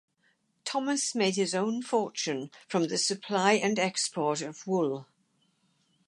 Thomas made his own fortune from the supply and export of wool.